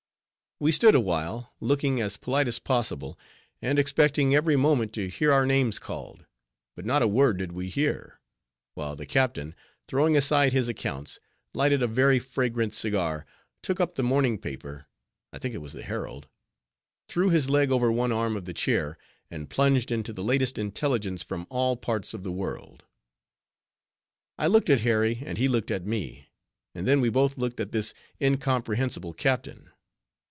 We stood awhile, looking as polite as possible, and expecting every moment to hear our names called, but not a word did we hear; while the captain, throwing aside his accounts, lighted a very fragrant cigar, took up the morning paper—I think it was the Herald—threw his leg over one arm of the chair, and plunged into the latest intelligence from all parts of the world. I looked at Harry, and he looked at me; and then we both looked at this incomprehensible captain.